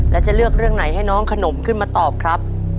แล้วจะเลือกเรื่องไหนให้น้องขนมขึ้นมาตอบครับ